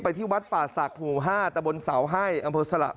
ไปที่วัดป่าศักย์หมู่ห้าตะบนเสาไห้อำเภาสละ